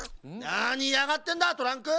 なにいやがってんだトランク！